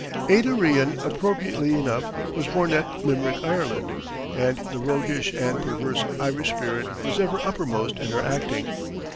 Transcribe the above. Ada Rehan, appropriately enough, was born at Limerick, Ireland, and the roguish and perverse Irish spirit was ever uppermost in her acting.